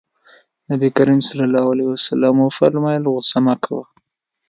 نبي کريم ص وفرمايل غوسه مه کوه.